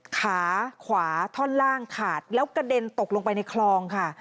ขาขวาท่อนล่างขาดแล้วกระเด็นตกลงไปในคลองค่ะ